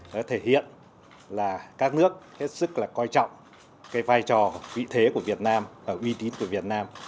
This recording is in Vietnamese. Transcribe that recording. đó thể hiện là các nước hết sức là coi trọng cái vai trò vị thế của việt nam